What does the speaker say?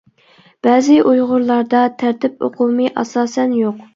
بەزى ئۇيغۇرلاردا تەرتىپ ئۇقۇمى ئاساسەن يوق.